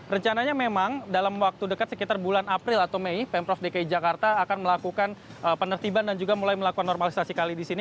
rencananya memang dalam waktu dekat sekitar bulan april atau mei pemprov dki jakarta akan melakukan penertiban dan juga mulai melakukan normalisasi kali di sini